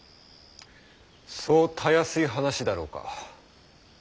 そうたやすい話だろうか。